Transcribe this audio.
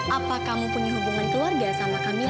apa kamu punya hubungan keluarga sama kami